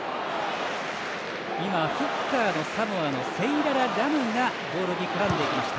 今、フッカーのサモアのセイララ・ラムがボールに絡んできました。